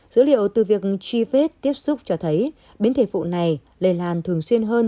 dữ liệu từ việc trivet tiếp xúc cho thấy biến thể phụ này lây lan thường xuyên hơn